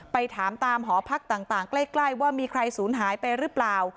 ไปถามตามหอพักต่างใกล้ว่ามีใครศูนย์หายไปหรือเปล่า